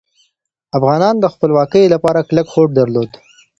افغانانو د خپلواکۍ لپاره کلک هوډ درلود.